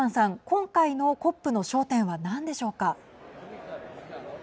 今回のＣＯＰの焦点は何でしょうか。